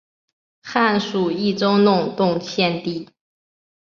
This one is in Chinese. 汉属益州弄栋县地。